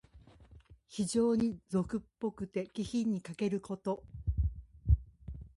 非情に俗っぽくて、気品にかけること。